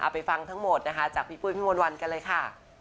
ไปฟังทั้งหมดนะคะจากพี่ปุ้ยพี่มนต์วันกันเลยค่ะ